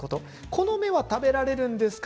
この芽は食べられるんですか？